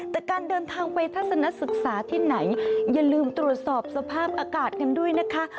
แต่การเดินทางไปทัศนศึกษาที่ไหนอย่าลืมตรวจสอบสภาพอากาศกันด้วยนะคะ